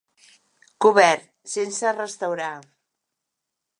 Cobert: sense restaurar.